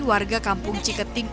warga kampung ciketing